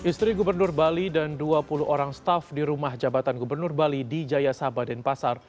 istri gubernur bali dan dua puluh orang staff di rumah jabatan gubernur bali di jaya saba denpasar